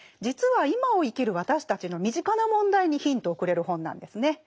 実は今を生きる私たちの身近な問題にヒントをくれる本なんですね。